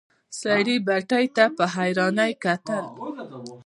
سړي بتۍ ته په حيرانی کتل.